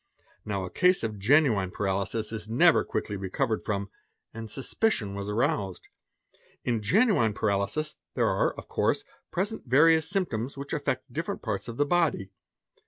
Now, a case of genuine paralysis is never = quickly recovered from, and suspicion was aroused. In genuine paralysis there are, of course, present various symptoms which affect different Bats of the body.